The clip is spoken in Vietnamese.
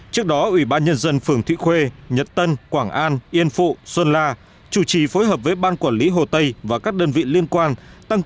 trước đó ủy ban nhân dân phường thụy khuê nhật tân quảng an yên phụ xuân la